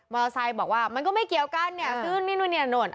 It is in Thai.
มอเตอร์ไซค์บอกว่ามันก็ไม่เกี่ยวกันซื่นนี่นู่นนี่นู่น